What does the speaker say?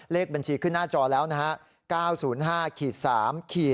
เลขบัญชีขึ้นหน้าจอแล้วนะฮะ๙๐๕๓